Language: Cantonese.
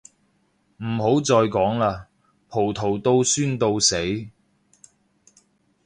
唔好再講喇，葡萄到酸到死